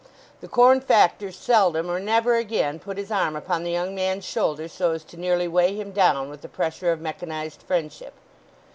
The corn factor seldom or never again put his arm upon the young man's shoulder so as to nearly weigh him down with the pressure of mechanized friendship.